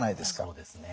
そうですね。